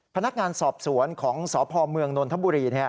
พนักงานสอบสวนของสพเมืองนนทบุรี